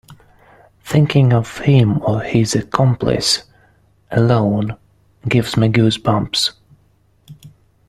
Thinking of him or his accomplice alone gives me goose bumps.